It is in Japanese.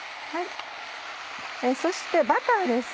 そしてバターです。